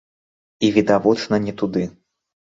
І відавочна не туды.